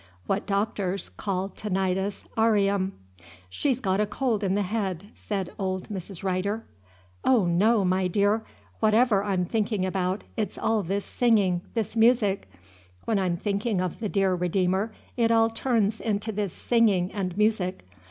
(What doctors call tinnitus aurium.) "She 's got a cold in the head," said old Mrs. Rider. "Oh, no, my dear! Whatever I'm thinking about, it's all this singing, this music. When I'm thinking of the dear Redeemer, it all turns into this singing and music.